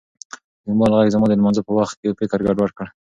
د موبایل غږ زما د لمانځه په وخت کې فکر ګډوډ کړ.